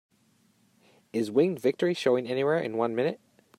Is Winged Victory showing anywhere in one minute?